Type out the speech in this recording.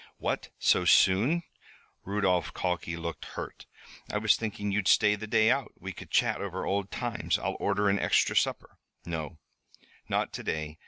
"What, so soon!" Rudolph Calkey looked hurt. "I was thinking you'd stay the day out. We could chat over old times I'll order an extra supper " "No, not to day.